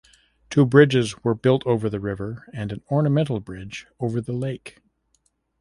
Two bridges were built over the river and an ornamental bridge over the lake.